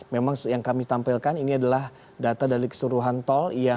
memang yang kami tampilkan ini adalah data dari keseluruhan tol